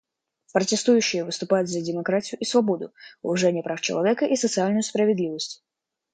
Протестующие выступают за демократию и свободу, уважение прав человека и социальную справедливость.